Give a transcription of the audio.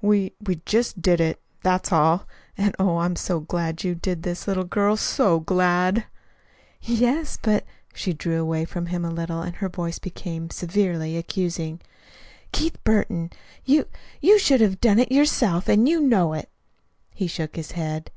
We we just did it. That's all. And, oh, I'm so glad you did this, little girl, so glad!" "Yes, but " She drew away from him a little, and her voice became severely accusing. "Keith Burton, you you should have done it yourself, and you know it." He shook his head.